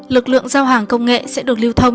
lực lượng giao hàng công nghệ sẽ được lưu thông